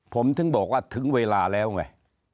ผมถึงบอกว่าถึงเวลาแล้วไง